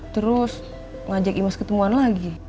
terus ngajak imas ketemuan lagi